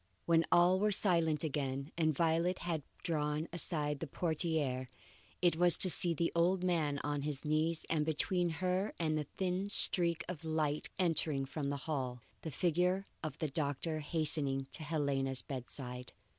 When all were still again and Violet had drawn aside the portiere, it was to see the old man on his knees, and between her and the thin streak of light entering from the hall, the figure of the doctor hastening to Helena's bedside.